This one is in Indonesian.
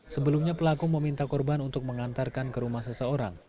sebelumnya pelaku meminta korban untuk mengantarkan ke rumah seseorang